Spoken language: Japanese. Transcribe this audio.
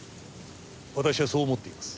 私はそう思っています。